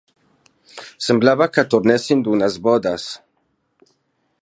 Semblava que tornessin d'unes bodes